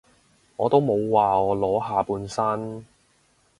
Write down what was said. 我都冇話我裸下半身